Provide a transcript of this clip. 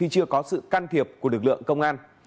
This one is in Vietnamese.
chưa có sự can thiệp của lực lượng công an